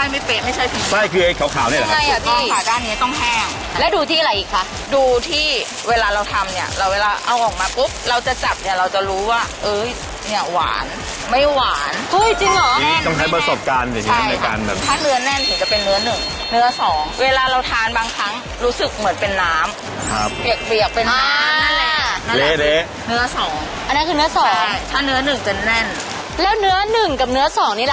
ไม่หวานอุ้ยจริงเหรอนี่ต้องใช้ประสบการณ์ใช่ค่ะในการแบบถ้าเนื้อแน่นถึงจะเป็นเนื้อหนึ่งเนื้อสองเวลาเราทานบางครั้งรู้สึกเหมือนเป็นน้ำครับเปียกเปียกเป็นน้ำอ่านั่นแหละเละเละเนื้อสองอันนั้นคือเนื้อสองใช่ถ้าเนื้อหนึ่งจะแน่นแล้วเนื้อหนึ่งกับเนื้อสองนี่